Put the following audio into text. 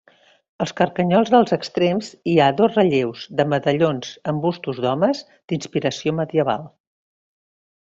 Als carcanyols dels extrems hi ha dos relleus de medallons amb bustos d'homes d'inspiració medieval.